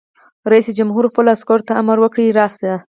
رئیس جمهور خپلو عسکرو ته امر وکړ؛ راست!